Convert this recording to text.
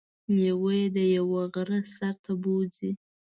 لیوه يې د یوه غره سر ته بوځي.